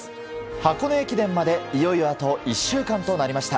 箱根駅伝までいよいよあと１週間となりました。